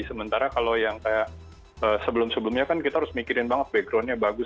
sementara kalau yang kayak sebelum sebelumnya kan kita harus mikirin banget backgroundnya bagus